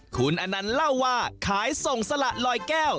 คุณอนันต์เล่าว่าขายส่งสละลอยแก้ว